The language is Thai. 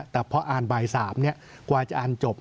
แต่พออ่านบ่าย๓กว่าจะอ่านจบ